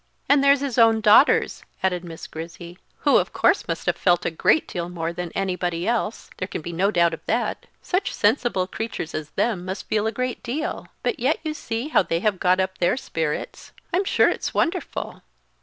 "And there's his own daughters," added Miss Grizzy, "who, of course, must have felt a great deal more than anybody else there can be no doubt of that such sensible creatures as them must feel a great deal; but yet you see how they have got up their spirits I'm sure it's wonderful!"